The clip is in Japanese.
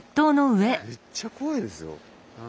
めっちゃ怖いですよ。